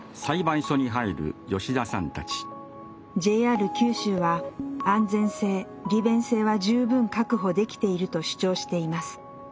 ＪＲ九州は安全性利便性は十分確保できていると主張しています。